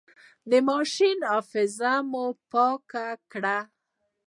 د ماشين حافظه مې پاکه کړه.